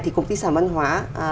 thì công ty sản văn hóa